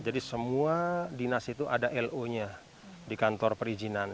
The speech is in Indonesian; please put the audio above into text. jadi semua dinas itu ada lo nya di kantor perizinan